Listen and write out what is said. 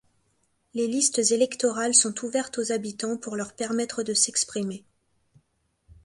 Les listes électorales sont ouvertes aux habitants pour leur permettre de s'exprimer.